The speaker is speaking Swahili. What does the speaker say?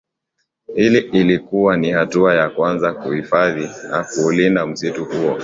Hii ilikuwa ni hatua ya kwanza kuhifadhi na kuulinda msitu huo